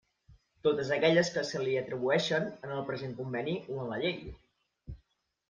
Totes aquelles que se li atribueixen en el present Conveni o en la Llei.